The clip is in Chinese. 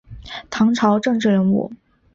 唐朝政治人物。